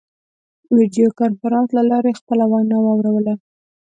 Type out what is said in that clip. د ویډیو کنفرانس له لارې خپله وینا واوروله.